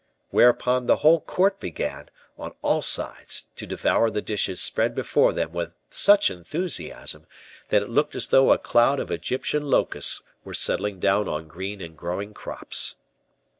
Whereupon the whole court began, on all sides, to devour the dishes spread before them with such enthusiasm that it looked as though a cloud of Egyptian locusts was settling down on green and growing crops.